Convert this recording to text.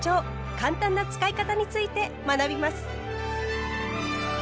簡単な使い方について学びます。